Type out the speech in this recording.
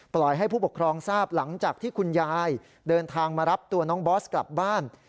ให้ผู้ปกครองทราบหลังจากที่คุณยายเดินทางมารับตัวน้องบอสกลับบ้าน